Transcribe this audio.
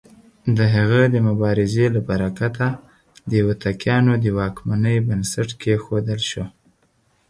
د هغه د مبارزې له برکته د هوتکيانو د واکمنۍ بنسټ کېښودل شو.